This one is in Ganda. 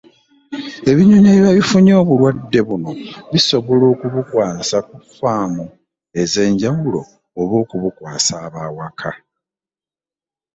Ebinyonyi ebiba bifunye obulwadde buno bisobola okubusaasaanya ku faamu ez’enjawulo oba okubukwasa ab’awaka.